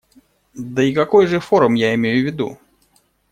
Да, и какой же форум я имею в виду?